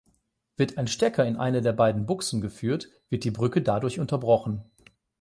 Wird ein Stecker in eine der beiden Buchsen geführt, wird die Brücke dadurch unterbrochen.